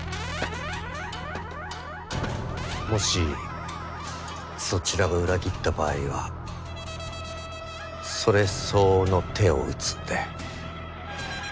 もしそちらが裏切った場合はそれ相応の手を打つんで。